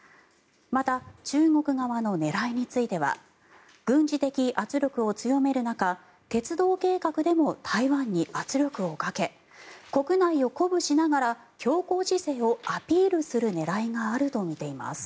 また、中国側の狙いについては軍事的圧力を強める中鉄道計画でも台湾に圧力をかけ国内を鼓舞しながら強硬姿勢をアピールする狙いがあるとみています。